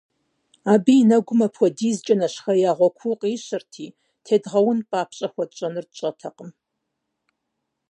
Абы и нэгум апхуэдизкӀэ нэщхъеягъуэ куу къищырти, тедгъэун папщӏэ хуэтщӏэнур тщӏэртэкъым.